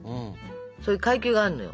そういう階級があるのよ。